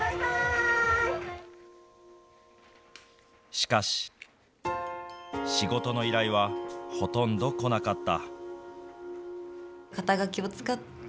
しかし、仕事の依頼はほとんど来なかった。